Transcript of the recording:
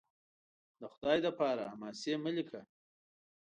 د خدای دپاره! حماسې مه لیکه